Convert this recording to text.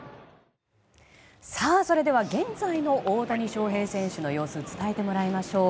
それでは現在の大谷翔平選手の様子を伝えてもらいましょう。